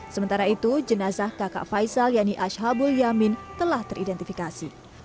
sementara itu jenazah kakak faisal yani ashabul yamin telah teridentifikasi